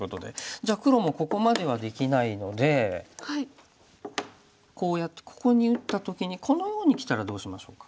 じゃあ黒もここまではできないのでこうやってここに打った時にこのようにきたらどうしましょうか。